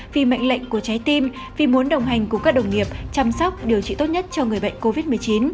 vì mệnh lệnh của trái tim vì muốn đồng hành cùng các đồng nghiệp chăm sóc điều trị tốt nhất cho người bệnh covid một mươi chín